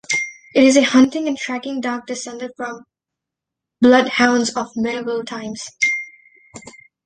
It is a hunting and tracking dog descended from bloodhounds of medieval times.